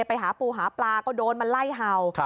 ไปหาปูหาปลาก็โดนมาไล่เห่า